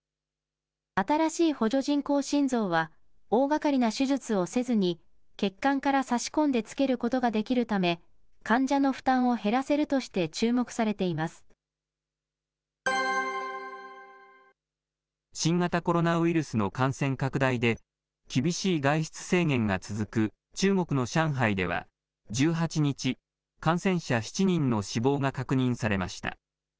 新しい補助人工心臓は、大がかりな手術をせずに、血管から差し込んでつけることができるため、患者の負担を減らせ新型コロナウイルスの感染拡大で、厳しい外出制限が続く中国の上海では、１８日、感染者７人の死亡が確認されました。